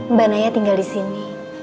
mbak naya tinggal disini